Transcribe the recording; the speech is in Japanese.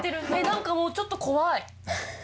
何かもうちょっと怖い。